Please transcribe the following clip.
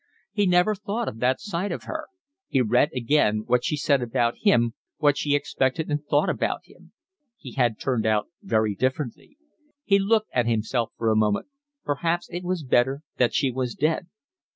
He had never thought of that side of her. He read again what she said about him, what she expected and thought about him; he had turned out very differently; he looked at himself for a moment; perhaps it was better that she was dead.